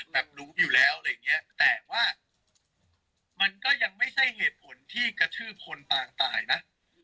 รู้อยู่แล้วอะไรอย่างเงี้ยแต่ว่ามันก็ยังไม่ใช่เหตุผลที่กระทืบคนปางตายนะ